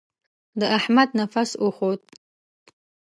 د احمد نفس وخوت.